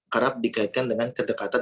kerap digaitkan dengan kedekatan